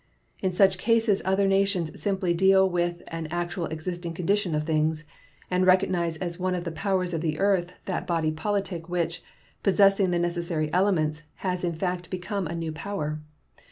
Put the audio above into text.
In such cases other nations simply deal with an actually existing condition of things, and recognize as one of the powers of the earth that body politic which, possessing the necessary elements, has in fact become a new power.